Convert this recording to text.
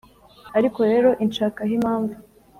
ariko rero inshakaho impamvu